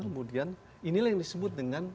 kemudian inilah yang disebut dengan